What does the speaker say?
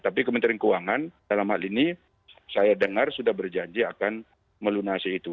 tapi kementerian keuangan dalam hal ini saya dengar sudah berjanji akan melunasi itu